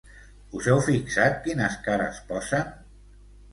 Us heu fixat quines cares posen?